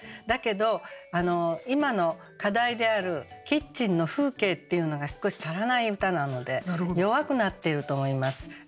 だけど今の課題であるキッチンの風景っていうのが少し足らない歌なので弱くなってると思います。